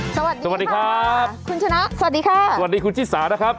สวัสดีครับคุณชนะสวัสดีค่ะสวัสดีคุณชิสานะครับ